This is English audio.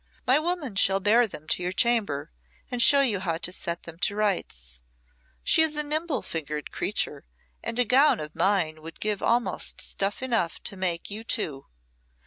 "My woman shall bear them to your chamber, and show you how to set them to rights. She is a nimble fingered creature, and a gown of mine would give almost stuff enough to make you two.